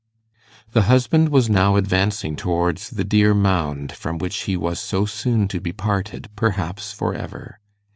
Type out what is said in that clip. The husband was now advancing towards the dear mound from which he was so soon to be parted, perhaps for ever.